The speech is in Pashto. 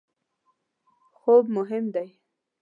خوب مهم دی